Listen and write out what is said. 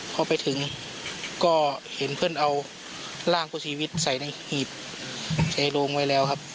พอไปถึงก็เห็นเพื่อนเอาร่างผู้เสียชีวิตใส่ในหีบใส่โรงไว้แล้วครับ